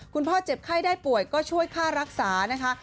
พ่อเจ็บไข้ได้ป่วยก็ช่วยค่ารักษานะคะ